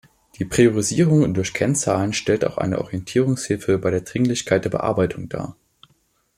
Die Priorisierung durch Kennzahlen stellt auch eine Orientierungshilfe bei der Dringlichkeit der Bearbeitung dar.